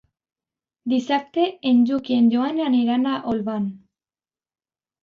Dissabte en Lluc i en Joan aniran a Olvan.